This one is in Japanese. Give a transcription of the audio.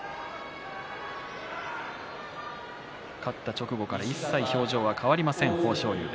勝った直後から一切、表情は変わりません豊昇龍。